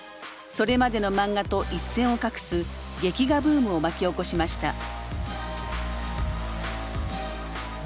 それまでの漫画と一線を画す劇画ブームを巻き起こしました。